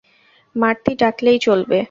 মার্তি ডাকলেই চলবে।